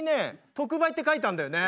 「特売」って書いてあんだよね。